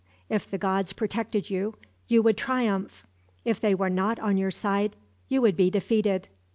If the gods protected you, you would triumph. If they were not on your side, you would be defeated."